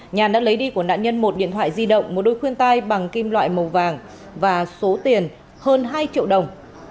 nhàn đã lấy đi của nạn nhân một điện thoại di động một đôi khuyên tay bằng kim loại màu vàng và số tiền hơn hai triệu đồng